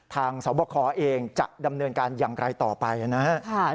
สวบคเองจะดำเนินการอย่างไรต่อไปนะครับ